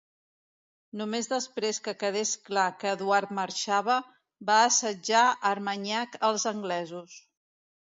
Només després que quedés clar que Eduard marxava, va assetjar Armanyac als anglesos.